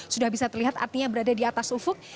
sudah bisa terlihat artinya berada di atas ufuk